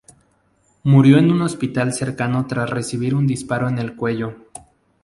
Murió en un hospital cercano tras recibir un disparo en el cuello.